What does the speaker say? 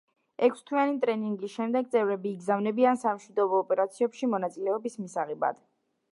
ექვსთვიანი ტრენინგის შემდეგ, წევრები იგზავნებიან სამშვიდობო ოპერაციებში მონაწილეობის მისაღებად.